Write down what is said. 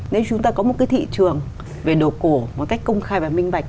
nếu chúng ta có một cái thị trường về đồ cổ một cách công khai và minh bạch